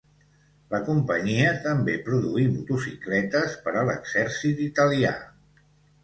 La companyia també produí motocicletes per a l'exèrcit italià.